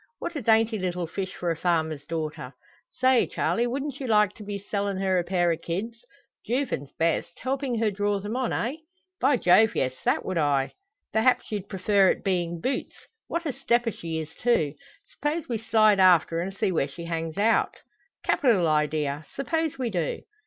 What a dainty little fish for a farmer's daughter! Say, Charley! wouldn't you like to be sellin' her a pair of kids Jouvin's best helpin' her draw them on, eh?" "By Jove, yes! That would I." "Perhaps you'd prefer it being boots? What a stepper she is, too! S'pose we slide after, and see where she hangs out?" "Capital idea! Suppose we do?"